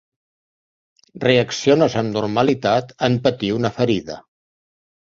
Reacciones amb normalitat en patir una ferida.